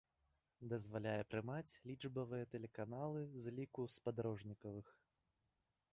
Дазваляе прымаць лічбавыя тэлеканалы з ліку спадарожнікавых.